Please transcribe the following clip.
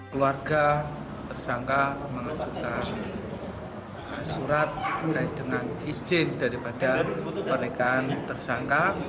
keluarga tersangka mengatakan surat dengan izin daripada pernikahan tersangka